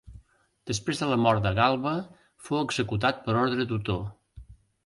Després de la mort de Galba fou executat per ordre d'Otó.